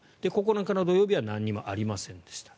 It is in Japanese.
９日の土曜日は何もありませんでした。